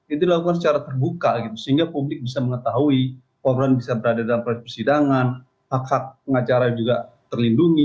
itu dilakukan secara terbuka sehingga publik bisa mengetahui korban bisa berada dalam proses persidangan hak hak pengacara juga terlindungi